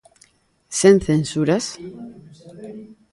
Sen censuras?